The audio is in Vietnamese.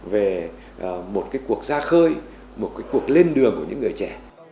về một cái cuộc ra khơi một cái cuộc lên đường của những người trẻ